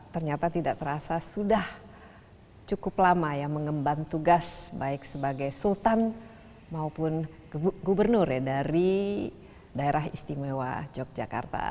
ternyata tidak terasa sudah cukup lama ya mengemban tugas baik sebagai sultan maupun gubernur ya dari daerah istimewa yogyakarta